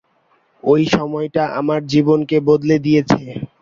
ঐ সময়টা আমার জীবনকে বদলে দিয়েছে।